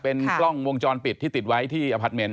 เป็นกล้องวงจรปิดที่ติดไว้ที่อพาร์ทเมนต์